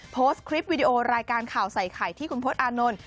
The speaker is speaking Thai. โพสต์คลิปวิดีโอรายการข่าวใส่ไข่ที่คุณพศอานนท์